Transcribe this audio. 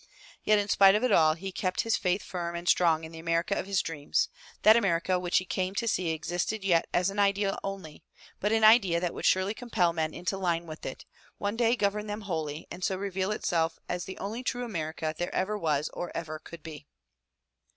Yet in spite of it all, he kept his faith firm and strong in the America of his dreams — that America which he came to see existed yet as an idea only, but an idea that would surely compel men into line with it, one day govern them wholly, and so reveal itself as the only true America there ever was or ever could be.